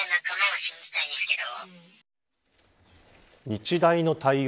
日大の対応